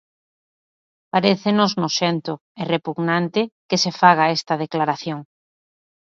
Parécenos noxento e repugnante que se faga esta declaración.